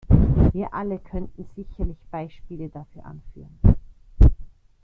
Wir alle könnten sicherlich Beispiele dafür anführen.